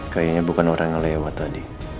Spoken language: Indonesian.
kayaknya bukan orang yang lewat tadi